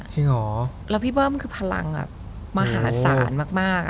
จริงเหรอแล้วพี่เบิ้มคือพลังมหาศาลมาก